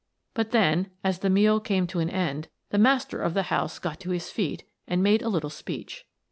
But then, as the meal came to an end, the master of the house got to his feet and made a little speech.